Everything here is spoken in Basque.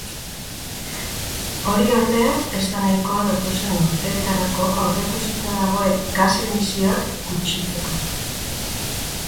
Hori, ordea, ez da nahikoa datozen urteetarako aurreikusita dagoen gas-emisioak gutxitzeko.